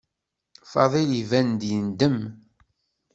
Fadil iban-d yendem.